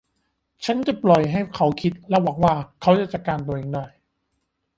ฉันจะปล่อยให้เขาคิดและหวังว่าเขาจะจัดการตัวเองได้